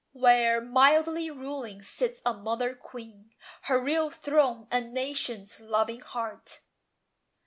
Where, mildly ruling, sits a mother Queen, Her real throne a nation's loving heart.